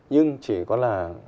nhưng chỉ có là